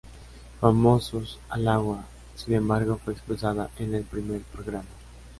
Famosos al agua, sin embargo fue expulsada en el primer programa.